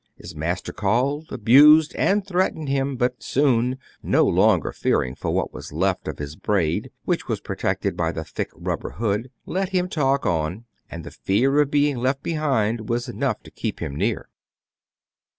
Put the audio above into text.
His master called, abused, and threatened him; but Soun, no longer fearing for what was left of his braid, which was protected by the thick rubber hood, let him talk on, and the fear of being left behind was enough to keep him near.